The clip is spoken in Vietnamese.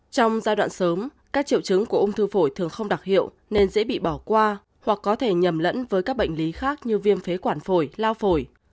trong giai đoạn sớm các triệu chứng của ung thư phổi thường không đặc hiệu nên dễ bị bỏ qua hoặc có thể nhầm lẫn với các bệnh lý khác như viêm phế quản phổi lao phổi